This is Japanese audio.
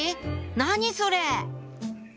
何それ！